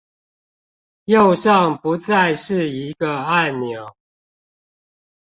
右上不再是一個按鈕